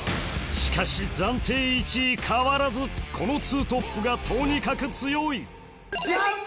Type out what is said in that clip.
しかし暫定１位変わらずこの２トップがとにかく強いジャンボ！